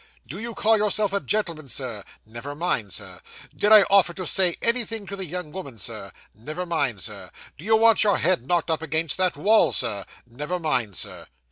'Do you call yourself a gentleman, sir?' 'Never mind, sir.' Did I offer to say anything to the young woman, sir?' 'Never mind, sir.' Do you want your head knocked up against that wall, sir?' 'Never mind, sir.